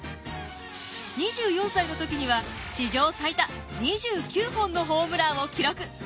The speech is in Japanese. ２４歳の時には史上最多２９本のホームランを記録。